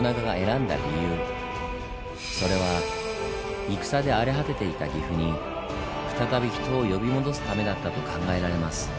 それは戦で荒れ果てていた岐阜に再び人を呼び戻すためだったと考えられます。